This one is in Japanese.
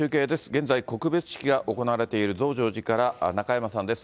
現在、告別式が行われている増上寺から中山さんです。